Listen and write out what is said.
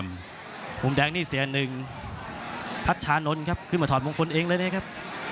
มุมแดงนี่เสียหนึ่งทัชชานนท์ครับขึ้นมาถอดมงคลเองเลยนะครับ